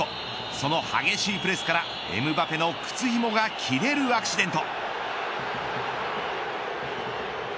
その激しいプレスからエムバペの靴ひもが切れるアクシデント。